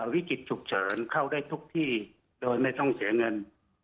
วิกฤตฉุกเฉินเข้าได้ทุกที่โดยไม่ต้องเสียเงิน